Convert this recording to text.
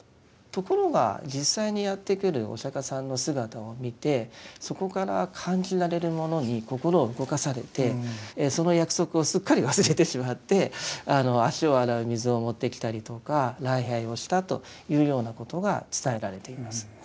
ところが実際にやってくるお釈迦さんの姿を見てそこから感じられるものに心を動かされてその約束をすっかり忘れてしまって足を洗う水を持ってきたりとか礼拝をしたというようなことが伝えられています。